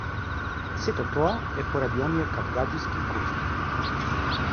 Сето тоа е поради оние кавгаџиски кучиња.